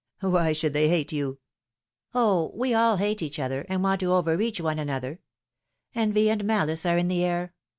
" Why should they hate you ?"" O, we all hate each other, and want to overreach one aether. Envy and malice are in the air.